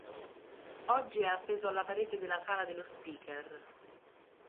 Oggi è appeso alla parete della sala dello speaker.